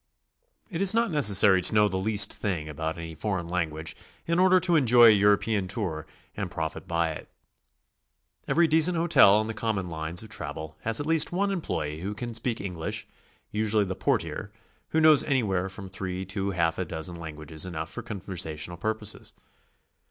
It is not necessary to know the least thing about any for eign language in order to enjoy a European tour and profit by it. Every decent hotel on the comni'On lines of travel has at least one employee who can speak English, usually the portier, who knows anywhere from three to half a dozen languages enough for conversational purposes.